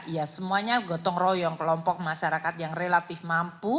ya semuanya gotong royong kelompok masyarakat yang relatif mampu